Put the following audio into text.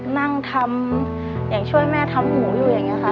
นั่งทำอย่างช่วยแม่ทำหมูอยู่อย่างนี้ค่ะ